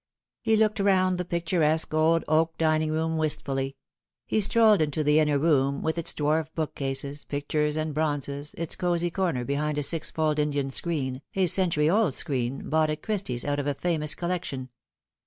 He lacked round the picturesque old oak dining room wistfully ; he strolled into the inner room, with its dwarf book cases, pictures, and bronzes, its cosy corner behind a sisfold Indian screen, a century old screen, bought at Christie's out of a famous collection.